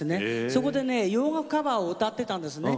そこでね洋楽カバーを歌ってたんですね。